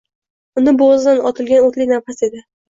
Uni bo‘g‘zidan otilgan o‘tli nafas edi